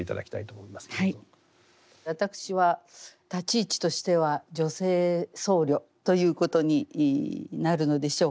私は立ち位置としては女性僧侶ということになるのでしょうか。